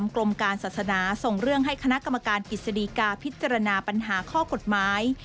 กรมการศาสนาส่งเรื่องให้คณะกรรมการกิจสดีกาพิจารณาปัญหาข้อกฎหมาย